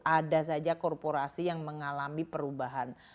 ada saja korporasi yang mengalami perubahan